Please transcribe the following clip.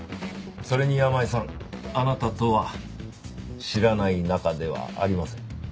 それに山家さんあなたとは知らない仲ではありません。